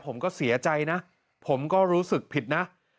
ผมก็เสียใจนะผมก็รู้สึกผิดนะ